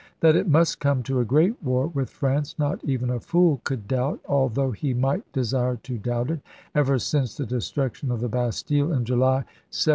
That it must come to a great war with France, not even a fool could doubt, although he might desire to doubt it, ever since the destruction of the Bastile in July 1789.